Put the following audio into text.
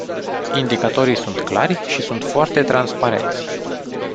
Indicatorii sunt clari și sunt foarte transparenți.